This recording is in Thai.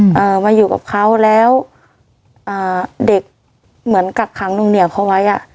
เอ่อมาอยู่กับเขาแล้วอ่าเด็กเหมือนกักขังหนูเหนียวเขาไว้อ่ะ